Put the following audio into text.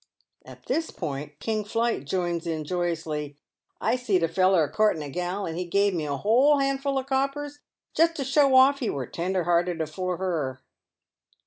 At this point King Plight joins in joyously, " I seed a feller a courting a gal, and he gave me a 'hole handful of coppers just to show off he were tender hearted afore her."